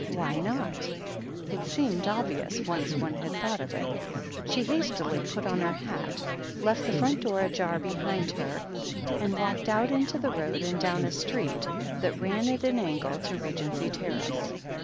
Why not ? It seemed obvious, once one had thought of it She hastily put on her hat, left the front door ajar behind her, and walked out into the road and down a street that ran at an angle to Regency Terrace.